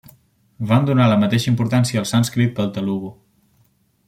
Van donar la mateixa importància al sànscrit que al telugu.